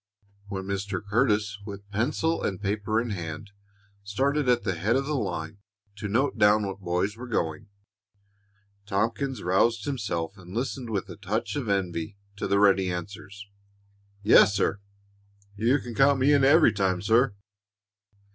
When Mr. Curtis, with pencil and paper in hand, started at the head of the line to note down what boys were going, Tompkins roused himself and listened with a touch of envy to the ready answers: "Yes, sir!" "You can count me in every time, sir!"